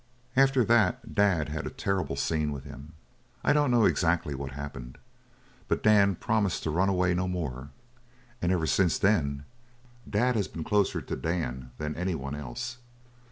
After that Dad had a terrible scene with him I don't know exactly what happened but Dan promised to run away no more, and ever since then Dad has been closer to Dan than anyone else.